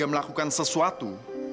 udah melakukan sesuatu